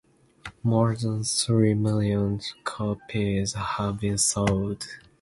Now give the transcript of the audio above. More than three million copies have been sold.